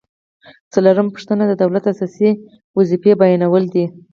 څلورمه پوښتنه د دولت اساسي دندې بیانول دي.